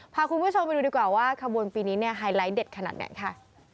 พาคุณผู้ชมไปดูดีกว่าว่าขบวนปีนี้เนี่ยไฮไลท์เด็ดขนาดไหนค่ะ